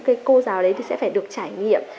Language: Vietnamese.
thì những cô giáo đấy sẽ phải được trải nghiệm